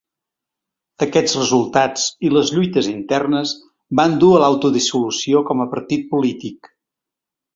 Aquests resultats i les lluites internes van dur a l'autodissolució com a partit polític.